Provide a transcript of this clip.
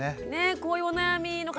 こういうお悩みの方